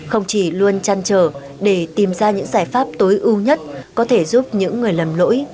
không chỉ luôn chăn trở để tìm ra những giải pháp tối ưu nhất có thể giúp những người lầm lỗi